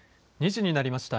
２時になりました。